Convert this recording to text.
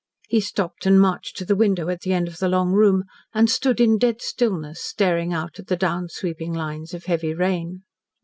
He stopped and marched to the window at the end of the long room, and stood in dead stillness, staring out at the down sweeping lines of heavy rain.